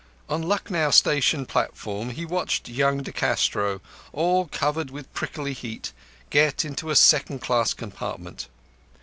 On Lucknow station platform he watched young De Castro, all covered with prickly heat, get into a second class compartment.